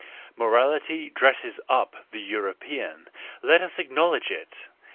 Morality dresses up the European —let us acknowledge it!